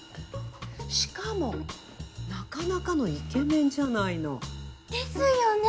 しかもなかなかのイケメンじゃないの。ですよね！